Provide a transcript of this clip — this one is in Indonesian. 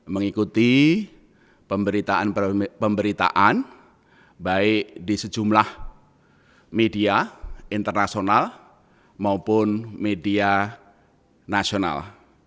mengikuti pemberitaan pemberitaan baik di sejumlah media internasional maupun media nasional